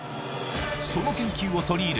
その研究を取り入れ